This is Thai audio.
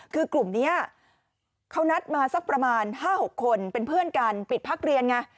คือกลุ่มนี้เขานัดมาสักประมาณ๕๖คนเป็นเพื่อนกันปิดพักเรียนไง